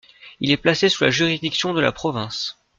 Il est placé sous la juridiction de la province.